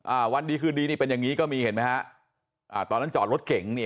อ่าวันดีคืนดีนี่เป็นอย่างงี้ก็มีเห็นไหมฮะอ่าตอนนั้นจอดรถเก่งนี่